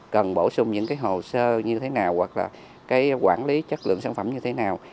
cần bổ sung những cái hồ sơ như thế nào hoặc là cái quản lý chất lượng sản phẩm như thế nào